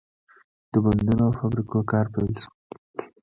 د بندونو او فابریکو کار پیل شو.